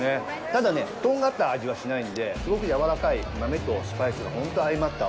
ただ、とんがった味はしないんで、すごくやわらかい、豆とスパイスが本当相まった。